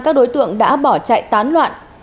các đối tượng đã bỏ chạy tán loạn